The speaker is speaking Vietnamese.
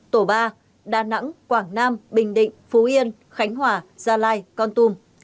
tổ ba đà nẵng quảng nam bình định phú yên khánh hòa gia lai con tum